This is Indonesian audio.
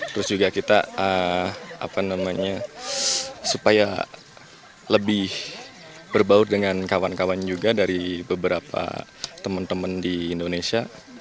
terus juga kita apa namanya supaya lebih berbaur dengan kawan kawan juga dari beberapa teman teman di indonesia